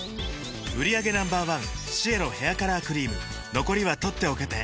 売上№１シエロヘアカラークリーム残りは取っておけて